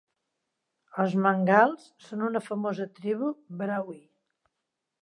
Els mengals són una famosa tribu brahui.